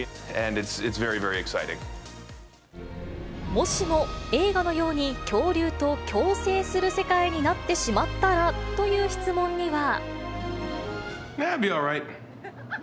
もしも映画のように恐竜と共生する世界になってしまったらという質問には。